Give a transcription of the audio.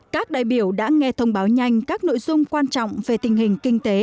các đại biểu đã nghe thông báo nhanh các nội dung quan trọng về tình hình kinh tế